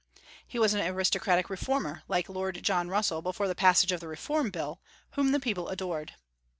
He was an aristocratic reformer, like Lord John Russell before the passage of the Reform Bill, whom the people adored.